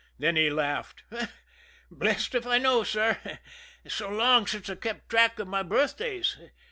Then he laughed: "Blest if I know, sir, it's so long since I've kept track of birthdays.